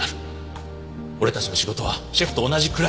俺たちの仕事はシェフと同じくらい重要なんだ。